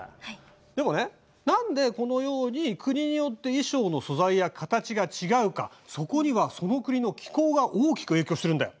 でもね何でこのように国によって衣装の素材や形が違うかそこにはその国の気候が大きく影響しているんだよ。